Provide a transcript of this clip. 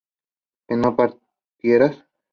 ¿que no partieras?